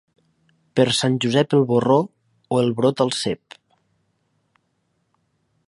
Per Sant Josep el borró o el brot al cep.